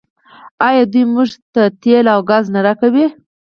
آیا دوی موږ ته تیل او ګاز نه راکوي؟